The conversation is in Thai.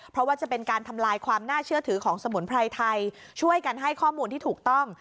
เพราะว่าจะเป็นการทำลายความน่าเชื่อถือของสมุนไพรไทยช่วยกันให้ข้อมูลที่ถูกต้อง